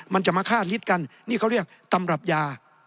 มันจะมาฆ่าฤทธิ์กันนี่เขาเรียกตำรับยา